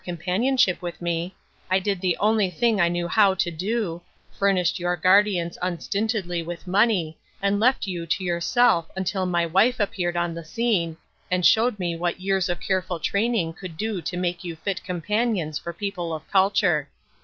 20Q companionship with me, I did the only thing I knew how to do, furnished your guardians un stintedly with money, and left you to yourself until my wife appeared on the scene, and showed me what years of careful training could do to make you fit companions for people of culture.